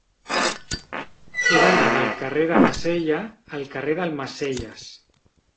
He d'anar del carrer de Bassella al carrer d'Almacelles.